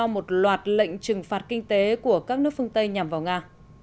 một loạt lệnh trừng phạt kinh tế của các nước phương tây nhằm vào nga